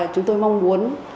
chúng tôi mong muốn